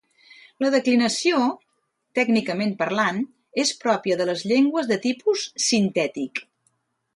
La declinació, tècnicament parlant, és pròpia de les llengües de tipus sintètic.